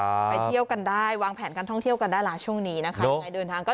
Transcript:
ไปเที่ยวกันได้วางแผนการท่องเที่ยวกันได้ละช่วงนี้นะคะ